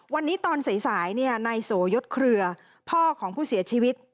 วันนี้ตอนสายนายโสยศเครือพ่อของผู้เสียชีวิต